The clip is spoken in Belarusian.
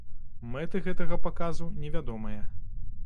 Мэты гэтага паказу невядомыя.